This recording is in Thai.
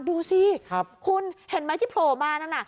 ดูสิคุณเห็นไหมที่โผล่มานั่นน่ะ